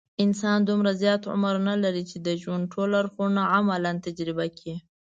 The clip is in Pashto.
انسان دومره زیات عمر نه لري، چې د ژوند ټول اړخونه عملاً تجربه کړي.